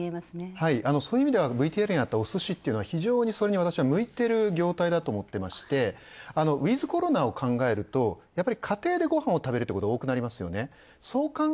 はい、そういう意味では、ＶＴＲにあったおすし、非常に向いている業態だと思っていまして、ウィズコロナを考えると、家庭でご飯を食べるってことが多くなりますよね。